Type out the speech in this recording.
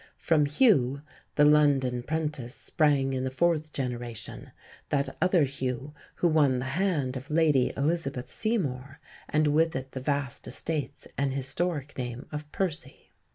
From Hugh, the London 'prentice sprang in the fourth generation, that other Hugh who won the hand of Lady Elizabeth Seymour, and with it the vast estates and historic name of Percy.